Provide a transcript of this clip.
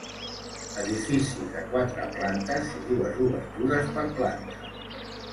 Edifici de quatre plantes i dues obertures per planta.